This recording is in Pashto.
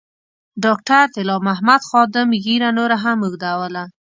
ډاکټر طلا محمد خادم ږیره نوره هم اوږدوله.